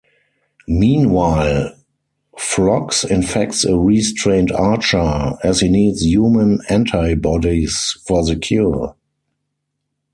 Meanwhile, Phlox infects a restrained Archer, as he needs human antibodies for the cure.